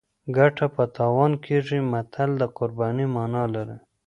ګټه په تاوان کېږي متل د قربانۍ مانا لري